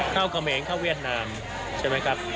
เข้ากับเมนเข้าเวียดนามใช่ไหมครับ